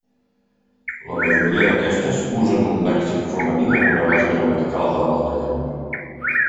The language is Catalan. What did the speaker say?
La majoria d'aquestes usen un lèxic romaní amb una base gramatical de l'altra llengua.